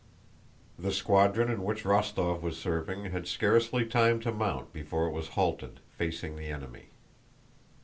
The squadron in which Rostóv was serving had scarcely time to mount before it was halted facing the enemy.